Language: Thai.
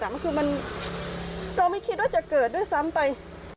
มันคือเราไม่คิดว่าจะเกิดด้วยซ้ำไป